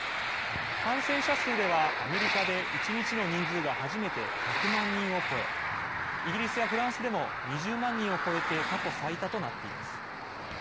感染者数ではアメリカで一日の人数が初めて１００万人を超えイギリスやフランスでも２０万人を超えて過去最多となっています。